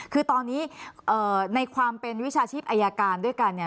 คือตอนนี้ในความเป็นวิชาชีพอายการด้วยกันเนี่ย